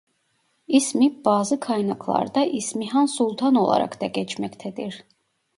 İsmi bazı kaynaklarda İsmihan Sultan olarak da geçmektedir.